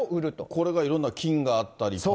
これがいろんな金があったり。